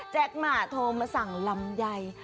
หมาโทรมาสั่งลำไย